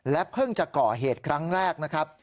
เพิ่งจะก่อเหตุครั้งแรกนะครับ